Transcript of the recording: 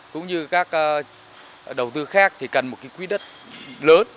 cũng như các đầu tư khác thì cần một quý đất lớn